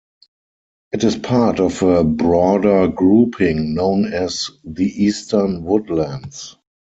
It is part of a broader grouping known as the Eastern Woodlands.